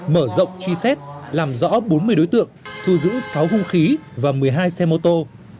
mở rộng truy xét làm rõ bốn mươi đối tượng thu giữ sáu hung khí và một mươi hai xe mô tô